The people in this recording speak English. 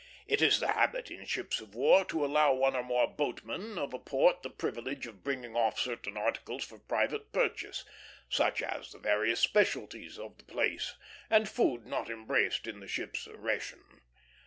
It is the habit in ships of war to allow one or more boatmen of a port the privilege of bringing off certain articles for private purchase; such as the various specialties of the place, and food not embraced in the ship's ration.